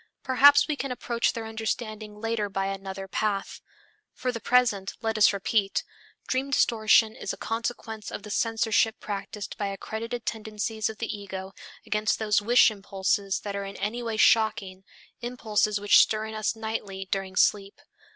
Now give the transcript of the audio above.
Perhaps we can approach their understanding later by another path. For the present, let us repeat: dream distortion is a consequence of the censorship practised by accredited tendencies of the ego against those wish impulses that are in any way shocking, impulses which stir in us nightly during sleep.